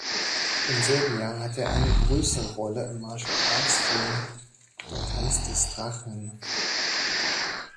Im selben Jahr hatte er eine größere Rolle im Martial-Arts-Film "Der Tanz des Drachen".